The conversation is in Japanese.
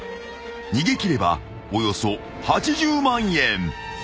［逃げ切ればおよそ８０万円］